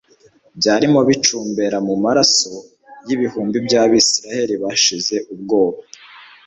byarimo bicumbera mu maraso y'ibihumbi by'Abisiraheli bashize ubwoba